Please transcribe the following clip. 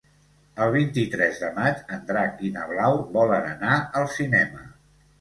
El vint-i-tres de maig en Drac i na Blau volen anar al cinema.